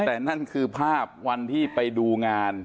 แต่นั่นคือภาพวันที่ไปดูงาน